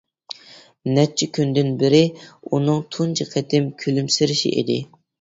نەچچە كۈندىن بىرى ئۇنىڭ تۇنجى قېتىم كۈلۈمسىرىشى ئىدى.